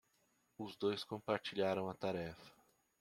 Os dois compartilharam a tarefa.